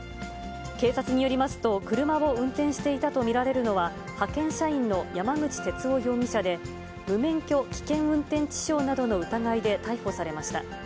警察によりますと、車を運転していたと見られるのは、派遣社員の山口哲男容疑者で、無免許危険運転致傷などの疑いで逮捕されました。